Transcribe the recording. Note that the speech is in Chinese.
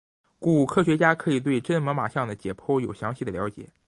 故科学家可以对真猛玛象的解剖有详细的了解。